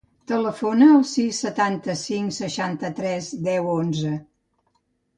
Telefona al sis, setanta-cinc, seixanta-tres, deu, onze.